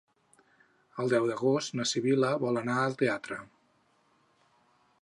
El deu d'agost na Sibil·la vol anar al teatre.